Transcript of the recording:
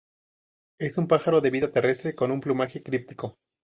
Es un pájaro de vida terrestre, con un plumaje críptico.